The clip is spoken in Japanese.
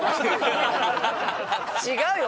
違うよ。